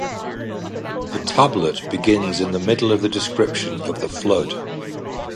The tablet begins in the middle of the description of the flood.